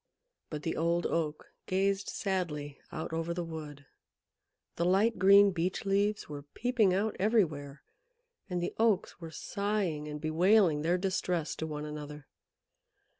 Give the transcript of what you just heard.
But the Old Oak gazed sadly out over the wood. The light green Beech leaves were peeping out everywhere, and the Oaks were sighing and bewailing their distress to one another.